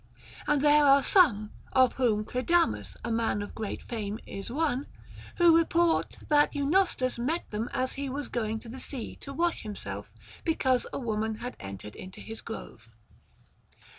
And there are some (of whom Clidamus, a man of great fame, is one) who report that Eunostus met them as he was going to the sea to wash himself because a woman had entered into his grove.